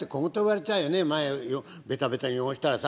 前ベタベタ汚したらさ。